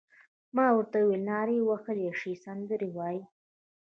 ما ورته وویل: نارې وهلای شې، سندرې وایې؟